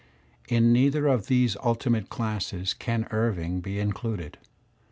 In neither of these ultimate classes can Irving be included.